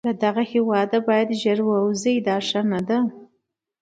له دغه هیواده باید ژر ووزو، دا ښه نه ده.